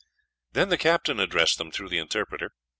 Then the captain addressed them through the interpreter.